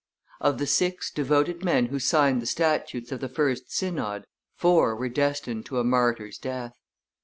Of the six devoted men who signed the statutes of the first synod, four were destined to a martyr's death.